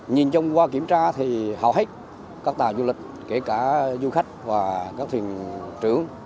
nhìn chung qua kiểm tra thì hầu hết các tàu du lịch kể cả du khách và các thuyền trưởng